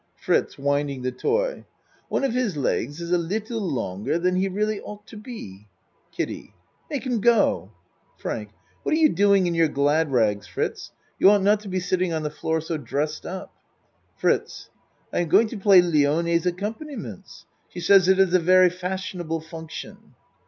FRITZ (Winding the toy.) One of his legs is a liddle longer than he really ought to be. KIDDIE Make him go. FRANK What are you doing in your glad rags, Fritz ? You ought not to be sitting on the floor so dressed up. FRITZ I am going to play Lione's accompani ments. She says it is a very fashionable function.